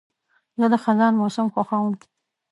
زه د خزان موسم خوښوم.